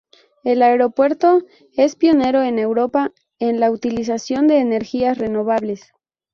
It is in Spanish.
El Aeropuerto es pionero en Europa en la utilización de energías renovables.